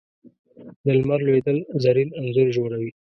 د لمر لوېدل زرین انځور جوړوي